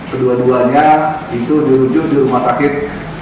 kedua duanya itu dirujuk di rumah sakit